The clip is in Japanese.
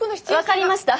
分かりました。